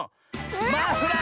マフラー！